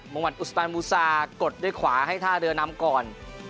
งวันอุสปานบูซากดด้วยขวาให้ท่าเรือนำก่อน